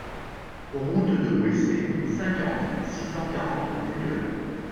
Route de Houessey, cinquante, six cent quarante Le Teilleul